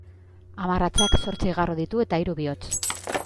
Hamarratzak zortzi garro ditu eta hiru bihotz.